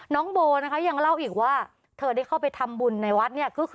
น้องโบนะคะยังเล่าอีกว่าเธอได้เข้าไปทำบุญในวัดเนี่ย